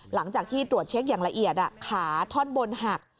หลังจากที่ตรวจเช็คอย่างละเอียดขาท่อนบนหัก